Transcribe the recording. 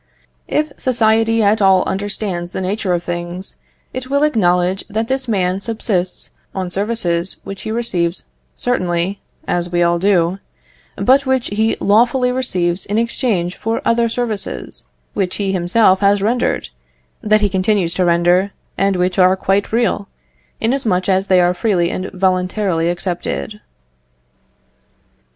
If society at all understands the nature of things, it will acknowledge that this man subsists on services which he receives certainly (as we all do), but which he lawfully receives in exchange for other services, which he himself has rendered, that he continues to render, and which are quite real, inasmuch as they are freely and voluntarily accepted.